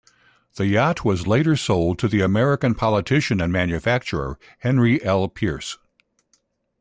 The yacht was later sold to the American politician and manufacturer, Henry L. Pierce.